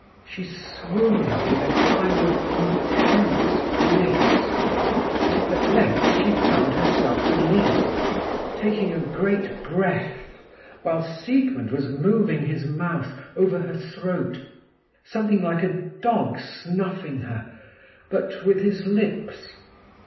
She swooned in a kind of intense bliss. At length she found herself released, taking a great breath, while Siegmund was moving his mouth over her throat, something like a dog snuffing her, but with his lips.